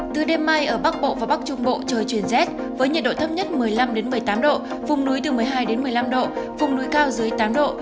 từ đêm mai ở bắc bộ và bắc trung bộ trời chuyển rét với nhiệt độ thấp nhất một mươi năm một mươi tám độ vùng núi từ một mươi hai một mươi năm độ vùng núi cao dưới tám độ